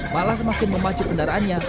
malah semakin memacu kendaraannya